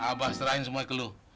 abah serahin semua ke lu